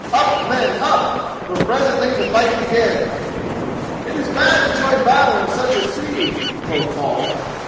Up, men, up: for presently the fight begins." "It is bad to join battle in such a sea," quoth Hall.